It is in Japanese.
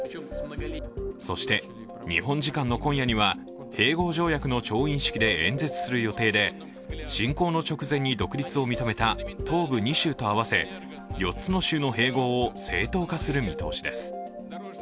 そして日本時間の今夜には併合条約の調印式で演説する予定で、侵攻の直前に独立を認めた東部２州と合わせ４つの州の併合を正当化する見通しです。